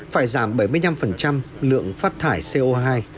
phải giảm bảy mươi năm lượng phát thải co hai